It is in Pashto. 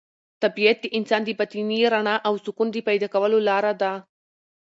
طبیعت د انسان د باطني رڼا او سکون د پیدا کولو لاره ده.